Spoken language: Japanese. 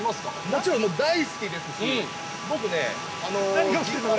◆もちろん大好きですし、僕ね、実家の。